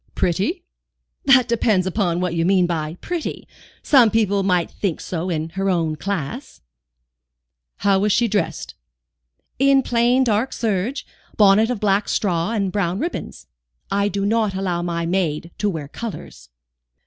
"Pretty?" "That depends upon what you mean by 'pretty.' Some people might think so, in her own class." "How was she dressed?" "In plain dark serge, bonnet of black straw and brown ribbons. I do not allow my maid to wear colours."